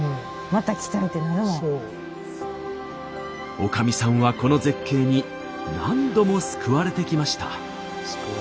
おかみさんはこの絶景に何度も救われてきました。